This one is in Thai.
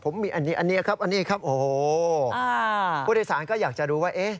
ผู้โดยสารก็อยากน้อยดูว่า